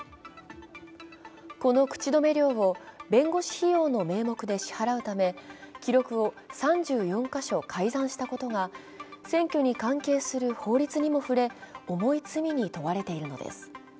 この口止め料を弁護士費用の名目で支払うため記録を３４か所改ざんしたことが選挙に関係する法律にも触れ重い罪に問われているのです。